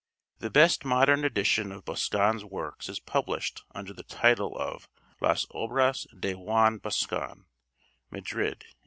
The best modern edition of Boscan's works is published under the title of 'Las Obras de Juan Boscan' (Madrid, 1875).